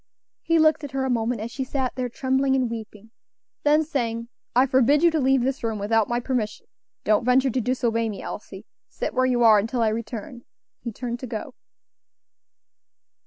He looked at her a moment as she sat there trembling and weeping; then saying, "I forbid you to leave this room without my permission; don't venture to disobey me, Elsie; sit where you are until I return," he turned to go.